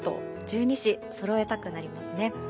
十二支そろえたくなりますね。